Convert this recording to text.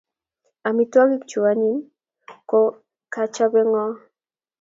Amitwogik chu anyiny ko kachopei n'go